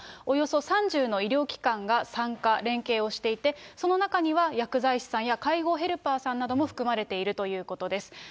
およそ３０の医療機関が参加、連携をしていて、その中には薬剤師さんや介護ヘルパーさんなども含まれているということです。